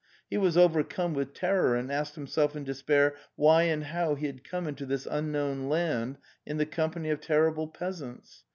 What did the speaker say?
He was overcome with terror and asked himself in des pair why and how he had come into this unknown land in the company of terrible peasants?